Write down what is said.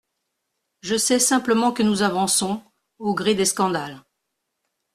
Je sais simplement que nous avançons, au gré des scandales.